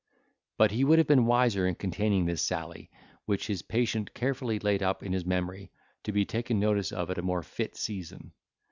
But he would have been wiser in containing this sally, which his patient carefully laid up in his memory, to be taken notice of at a more fit season.